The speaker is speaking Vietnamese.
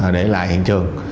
để lại hiện trường